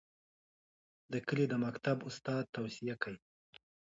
د کلي د مکتب استاد توصیې کوي.